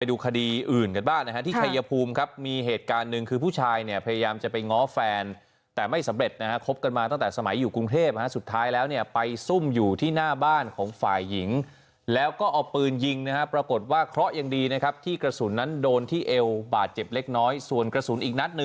ดูคดีอื่นกันบ้างนะฮะที่ชัยภูมิครับมีเหตุการณ์หนึ่งคือผู้ชายเนี่ยพยายามจะไปง้อแฟนแต่ไม่สำเร็จนะฮะคบกันมาตั้งแต่สมัยอยู่กรุงเทพสุดท้ายแล้วเนี่ยไปซุ่มอยู่ที่หน้าบ้านของฝ่ายหญิงแล้วก็เอาปืนยิงนะฮะปรากฏว่าเคราะห์ยังดีนะครับที่กระสุนนั้นโดนที่เอวบาดเจ็บเล็กน้อยส่วนกระสุนอีกนัดหนึ่ง